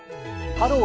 「ハロー！